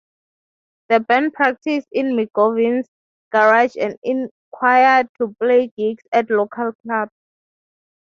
The band practiced in McGovney's garage and inquired to play gigs at local clubs.